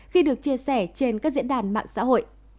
khi được chia sẻ trên các diễn đàn mạng xã hội